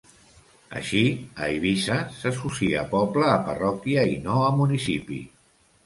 Així, a Eivissa s'associa poble a parròquia i no a municipi.